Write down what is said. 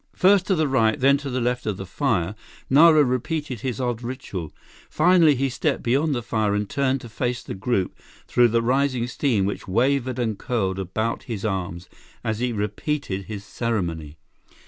First to the right, then to the left of the fire, Nara repeated his odd ritual. Finally, he stepped beyond the fire and turned to face the group through the rising steam which wavered and curled about his arms as he repeated his ceremony.